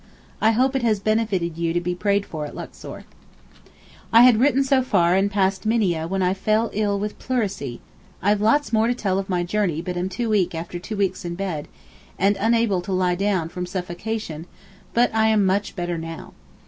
I hope it has benefited you to be prayed for at Luxor. I had written so far and passed Minieh when I fell ill with pleurisy—I've lots more to tell of my journey but am too weak after two weeks in bed (and unable to lie down from suffocation)—but I am much better now.